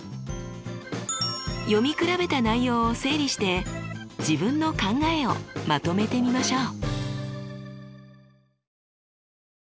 読み比べた内容を整理して自分の考えをまとめてみましょう。